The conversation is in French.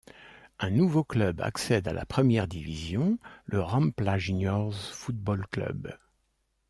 Un nouveau club accède à la première division, le Rampla Juniors Fútbol Club.